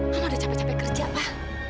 mama udah capek capek kerja pak